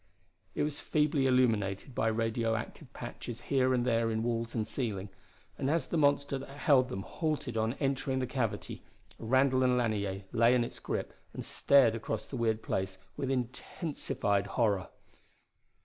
It was feebly illuminated by radio active patches here and there in walls and ceiling, and as the monster that held them halted on entering the cavity, Randall and Lanier lay in its grip and stared across the weird place with intensified horror.